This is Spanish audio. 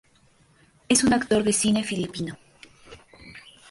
Es un actor de cine filipino.